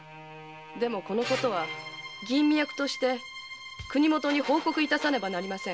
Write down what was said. でもこのことは吟味役として国もとへ報告致さねばなりません。